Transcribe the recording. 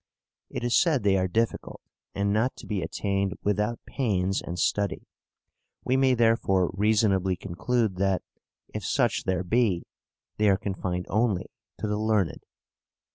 It is said they are difficult and not to be attained without pains and study; we may therefore reasonably conclude that, if such there be, they are confined only to the learned.